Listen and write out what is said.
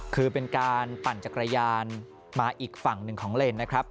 คือเป็นการปั่นจักรยานมาอีกฝั่งหนึ่งของเลนนะครับ